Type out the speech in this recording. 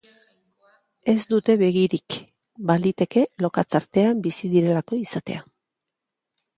Ez dute begirik, baliteke lokatz artean bizi direlako izatea.